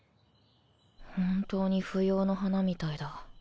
本当に芙蓉の花みたいだ。